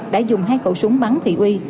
đã dùng hai khẩu súng bắn thị uy